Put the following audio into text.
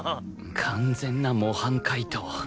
完全な模範解答